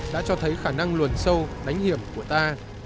đã cho thấy khả năng luồn sâu đánh hiểm của ta